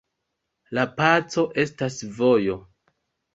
La paco estas vojo.